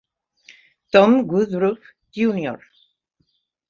Tom Woodruff Jr.